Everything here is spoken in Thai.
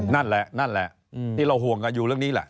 นั่นแหละนี่เราห่วงกันอยู่เรื่องนี้แหละ